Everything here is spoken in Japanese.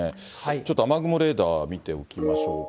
ちょっと雨雲レーダー見ておきましょうか。